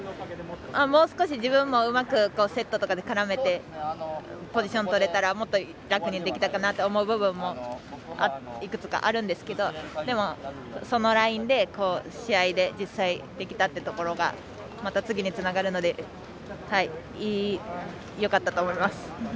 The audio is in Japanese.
もう少し自分もうまくセットとかで絡めてポジションとれたらもっと楽にできたかなと思う部分もいくつかあるんですけどでも、そのラインで試合で実際できたってところがまた次につながるのでよかったと思います。